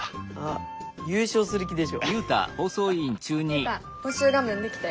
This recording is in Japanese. ユウタ募集画面出来たよ。